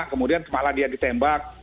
kemudian malah dia ditembak